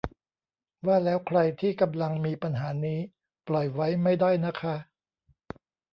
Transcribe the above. ว่าแล้วใครที่กำลังมีปัญหานี้ปล่อยไว้ไม่ได้นะคะ